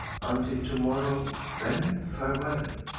Until to morrow, then, farewell.